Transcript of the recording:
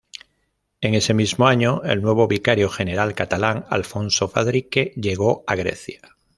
En ese mismo año, el nuevo vicario general catalán, Alfonso Fadrique, llegó a Grecia.